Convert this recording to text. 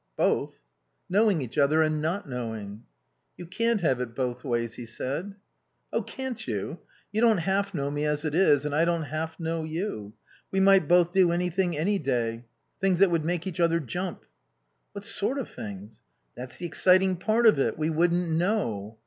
"Both?" "Knowing each other and not knowing." "You can't have it both ways," he said. "Oh, can't you! You don't half know me as it is, and I don't half know you. We might both do anything any day. Things that would make each other jump." "What sort of things?" "That's the exciting part of it we wouldn't know."